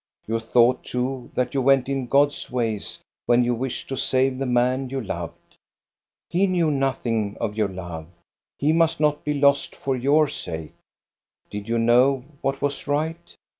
You thought, too, that you went in God's ways when you wished to save the man you loved. He knew nothing of your love. He must not be lost for your sake. Did you know what was right?